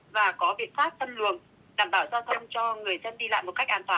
và có biện pháp phân luồng đảm bảo giao thông cho người dân đi lại một cách an toàn